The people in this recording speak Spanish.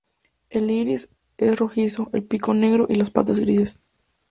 El iris es rojizo, el pico negro y las patas grises.